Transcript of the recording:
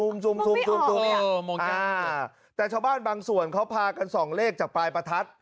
มักไม่ออกเนี่ยแต่ชาวบ้านบางส่วนเขาพากันสองเลขจากปลายประทัด